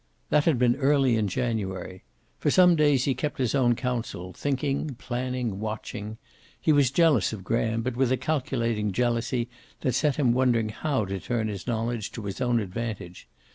That had been early in January. For some days he kept his own counsel, thinking, planning, watching. He was jealous of Graham, but with a calculating jealousy that set him wondering how to turn his knowledge to his own advantage.